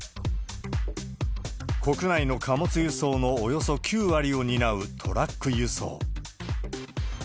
国内の貨物輸送のおよそ９割を担うトラック輸送。